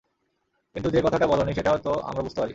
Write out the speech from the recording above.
কিন্তু যে কথাটা বল নি সেটাও তো আমরা বুঝতে পারি।